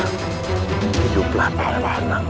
hiduplah dengan tenang